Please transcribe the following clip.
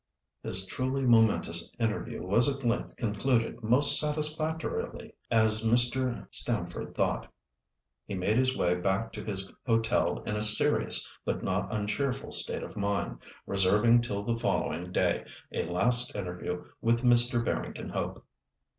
This truly momentous interview was at length concluded most satisfactorily, as Mr. Stamford thought. He made his way back to his hotel in a serious but not uncheerful state of mind, reserving till the following day a last interview with Mr. Barrington Hope.